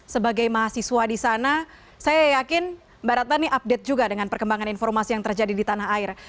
sebagai mahasiswa di sana saya yakin mbak ratna ini update juga dengan perkembangan informasi yang terjadi di tanah air